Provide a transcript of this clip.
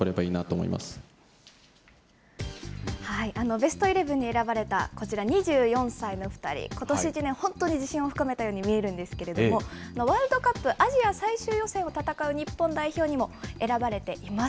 ベストイレブンに選ばれた、こちら２４歳の２人、ことし一年、本当に自信を深めたように見えるんですけれども、ワールドカップアジア最終予選を戦う日本代表にも、選ばれています。